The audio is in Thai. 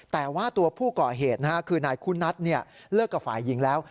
แต่ว่าตัวผู้ก่อเหตุคือนายคุณัทเลิกกับฝ่ายหญิงแล้ว